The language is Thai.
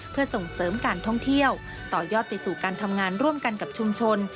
เพื่อส่งเสริมการท่องเที่ยวต่อยอดไปสู่การทำงานร่วมกันกับชุมชน